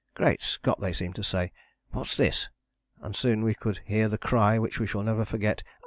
Great Scott, they seemed to say, what's this, and soon we could hear the cry which we shall never forget.